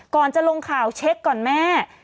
ก่อนจะลงข่าวเช็คก่อนแม่